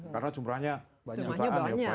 karena jumlahnya banyak